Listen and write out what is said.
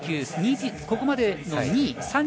ここまでの２位。